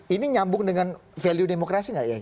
ini nyambung dengan value demokrasi gak ya